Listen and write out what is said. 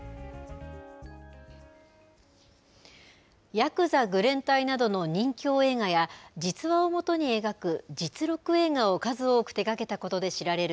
８９３愚連隊などの任きょう映画や実話を基に描く実録映画を数多く手がけたことで知られる